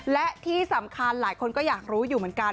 และที่สำคัญหลายคนก็อยากรู้อยู่เหมือนกัน